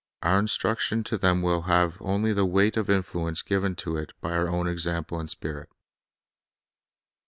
Our instruction to them will have only the weight of influence given it by our own example and spirit.